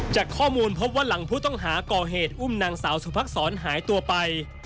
จากข้อมูลพบว่าหลังผู้ต้องหาก่อเหตุอุ้มนางสาวสุภักษรหายตัวไป